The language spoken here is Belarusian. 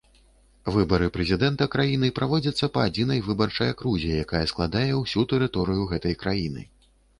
Выбары прэзідэнта краіны праводзяцца па адзінай выбарчай акрузе, якая складае ўсю тэрыторыю гэтай краіны.